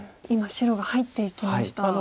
今白が入っていきました。